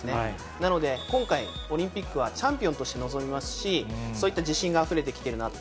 なので、今回、オリンピックはチャンピオンとして臨みますし、そういった自信があふれてきているなと。